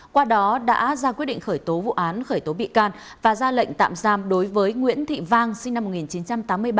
qua đó đã ra quyết định khởi tố vụ án khởi tố bị can và ra lệnh tạm giam đối với nguyễn thị vang sinh năm một nghìn chín trăm tám mươi ba